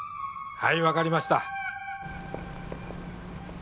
はいわかりました。